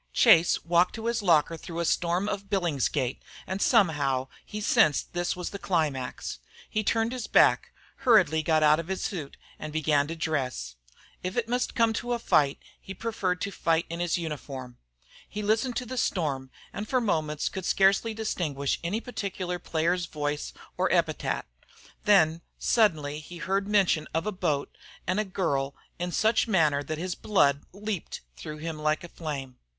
Chase walked to his locker through a storm of billingsgate, and somehow he sensed this was the climax. He turned his back, hurriedly got out his suit, and began to dress. If it must come to a fight he preferred to fight in his uniform. He listened to the storm, and for moments could scarcely distinguish any particular player's voice or epithet. Then suddenly he heard mention of a boat and a girl in such manner that his blood leaped through him like a flame.